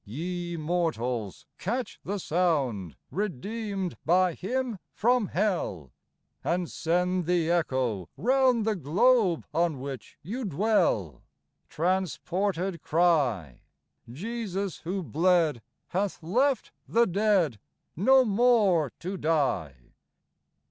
Ye mortals, catch the sound, Redeemed by Him from hell, And send the echo round The globe on which you dwell ; Transported cry, —" Jesus, who bled, Hath left the dead, No more to die."